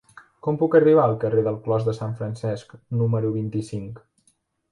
Com puc arribar al carrer del Clos de Sant Francesc número vint-i-cinc?